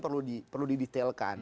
karena itu juga perlu di detailkan